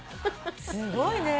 すごいね。